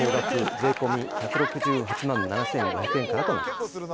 税込み１６８万７５００円からとなっております。